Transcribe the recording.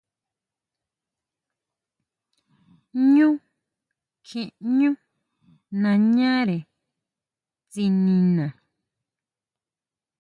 Ñú kjiʼñú nañare tsinina.